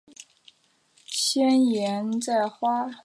古代写作规范起源自中国春秋战国时期的汉语口语。